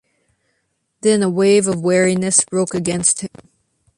Then a wave of weariness broke against him.